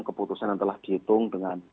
keputusan yang telah dihitung dengan